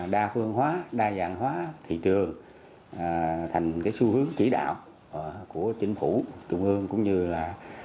đa phương hóa đa dạng hóa thị trường thành xu hướng chỉ đạo của chính phủ trung ương cũng như là